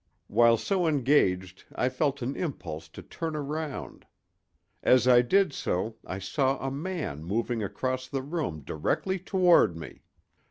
While so engaged I felt an impulse to turn round. As I did so I saw a man moving across the room directly toward me!